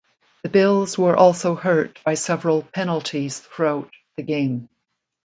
The Bills were also hurt by several penalties throughout the game.